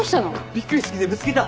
びっくりし過ぎてぶつけた。